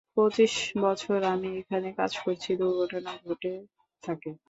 পঁচিশ বছর আমি এখানে কাজ করেছি, দুর্ঘটনা ঘটে থাকে।